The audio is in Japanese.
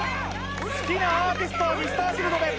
好きなアーティストはＭｒ．Ｃｈｉｌｄｒｅｎ